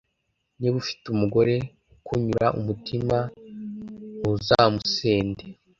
niba ufite umugore ukunyura umutima, ntuzamusende